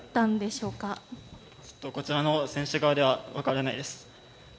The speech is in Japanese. ちょっとこちらの選手側では分からないです。